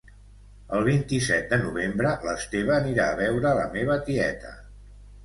El vint-i-set de novembre l'Esteve anirà a veure la meva tieta